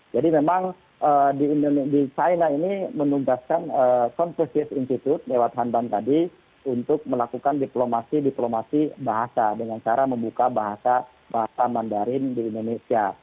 jadi memang di china ini menugaskan conscious institute lewat hanban tadi untuk melakukan diplomasi diplomasi bahasa dengan cara membuka bahasa mandarin di indonesia